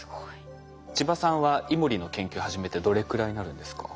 千葉さんはイモリの研究始めてどれくらいになるんですか？